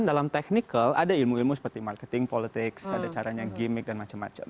dan dalam teknikal ada ilmu ilmu seperti marketing politik ada caranya gimmick dan macam macam